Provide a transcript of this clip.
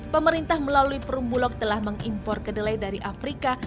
pemerintah melalui perumbulok telah mengimpor kedelai dari afrika